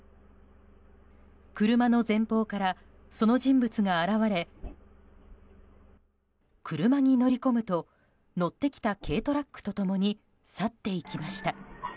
車の前方からその人物が現れ車に乗り込むと乗ってきた軽トラックと共に去っていきました。